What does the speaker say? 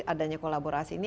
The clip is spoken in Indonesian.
adanya kolaborasi ini